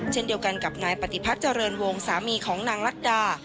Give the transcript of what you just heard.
เช่นเดียวกันกับนายปฏิพัฒน์เจริญวงสามีของนางรัฐดา